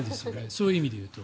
そういう意味で言うと。